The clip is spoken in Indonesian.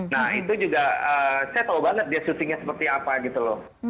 nah itu juga saya tahu banget dia syutingnya seperti apa gitu loh